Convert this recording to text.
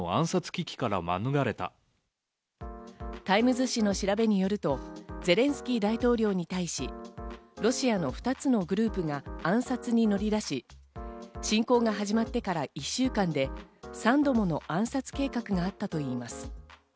タイムズ紙の調べによると、ゼレンスキー大統領に対し、ロシアの２つのグループが暗殺に乗り出し、侵攻が始まってから１週間で３度もの暗殺計画があったといいます。